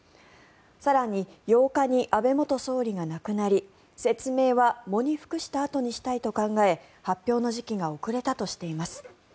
更に８日に安倍元総理が亡くなり説明は喪に服したあとにしたいと考え発表の時期が遅れたとしています。